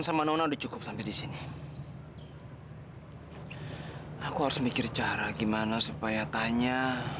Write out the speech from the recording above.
sampai jumpa di video selanjutnya